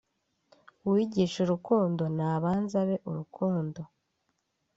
uwigisha urukundo nabanze abe urukundo